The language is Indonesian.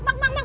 mak mak mak